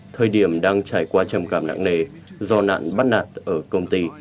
thời điểm đang trải qua trầm cảm nặng nề do nạn bắt nạt ở công ty